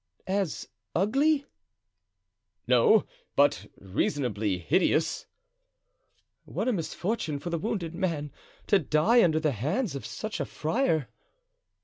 "As ugly?" "No, but reasonably hideous." "What a misfortune for the wounded man to die under the hands of such a friar!"